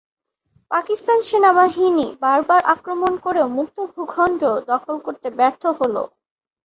পাকিস্তান সেনাবাহিনী বারবার আক্রমণ করেও মুক্ত ভূখণ্ড দখল করতে ব্যর্থ হলো।